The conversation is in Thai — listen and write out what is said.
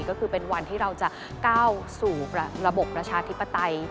ก็คือเป็นวันที่เราจะก้าวสู่ระบบประชาธิปไตย